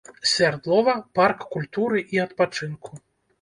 Свярдлова, парк культуры і адпачынку.